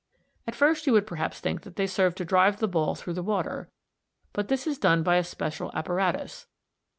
At first you would perhaps think that they served to drive the ball through the water, but this is done by a special apparatus.